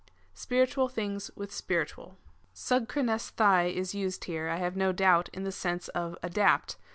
Spiritual things with spiritual. HvyKptvea6at is used here, I have no doubt, in the sense of adapt.